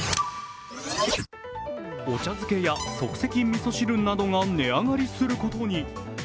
お茶づけや即席みそ汁などが値上がりすることに。